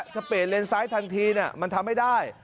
จะเปลี่ยนเลนซ้ายทันทีมันทำไม่ได้